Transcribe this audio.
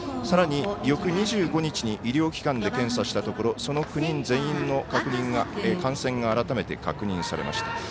さらに翌２５日に医療機関で検査したところその９人全員の感染が改めて確認できました。